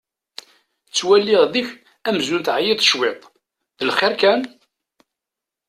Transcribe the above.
Ttwaliɣ deg-k amzun teɛyiḍ cwiṭ! D lxir kan?